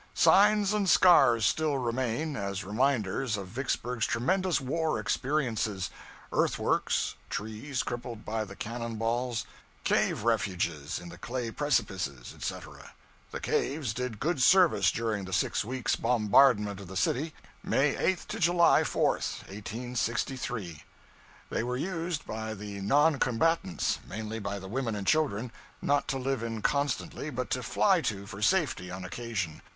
Signs and scars still remain, as reminders of Vicksburg's tremendous war experiences; earthworks, trees crippled by the cannon balls, cave refuges in the clay precipices, etc. The caves did good service during the six weeks' bombardment of the city May 8 to July 4, 1863. They were used by the non combatants mainly by the women and children; not to live in constantly, but to fly to for safety on occasion.